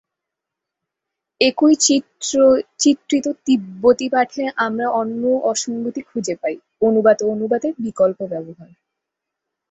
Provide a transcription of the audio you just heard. একই চিত্রিত তিব্বতি পাঠে আমরা অন্য অসঙ্গতি খুঁজে পাই: অনুবাদ ও অনুবাদের বিকল্প ব্যবহার।